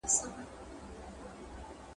نه خمار وي نه مستي وي نه منت وي له مُغانه ,